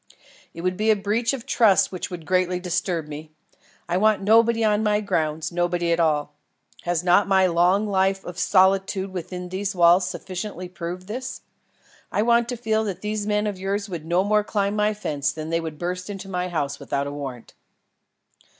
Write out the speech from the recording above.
"It would be a breach of trust which would greatly disturb me. I want nobody on my grounds, nobody at all. Has not my long life of solitude within these walls sufficiently proved this? I want to feel that these men of yours would no more climb my fence than they would burst into my house without a warrant."